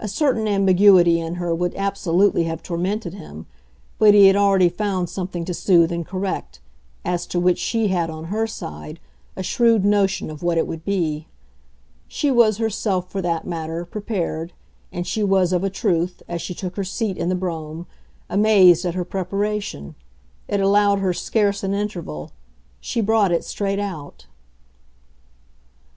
A certain ambiguity in her would absolutely have tormented him; but he had already found something to soothe and correct as to which she had, on her side, a shrewd notion of what it would be. She was herself, for that matter, prepared, and she was, of a truth, as she took her seat in the brougham, amazed at her preparation. It allowed her scarce an interval; she brought it straight out.